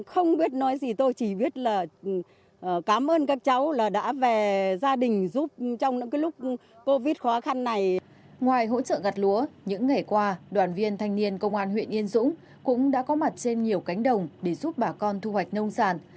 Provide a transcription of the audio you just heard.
hôm qua đoàn viên thanh niên công an huyện yên dũng cũng đã có mặt trên nhiều cánh đồng để giúp bà con thu hoạch nông sản